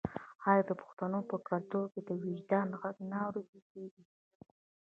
آیا د پښتنو په کلتور کې د وجدان غږ نه اوریدل کیږي؟